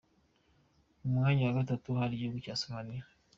Ku mwanya wa gatatu hari igihugu cya Somalia.